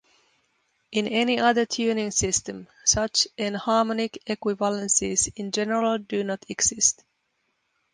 In any other tuning system, such enharmonic equivalences in general do not exist.